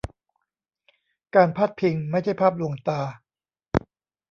การพาดพิงไม่ใช่ภาพลวงตา